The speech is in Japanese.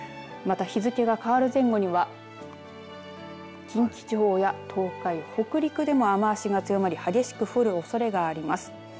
また日付が変わる前後には近畿地方や東海北陸でも雨足が強まり激しく降るおそれがあります。